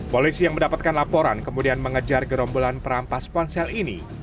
polisi yang mendapatkan laporan kemudian mengejar gerombolan perampas ponsel ini